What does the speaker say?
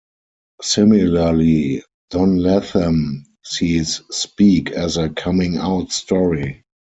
Similarly, Don Latham sees "Speak" as a "coming-out" story.